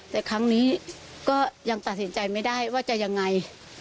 แต่ครั้งนี้ก็ยังตัดสินใจไม่ได้ว่าจะยังไง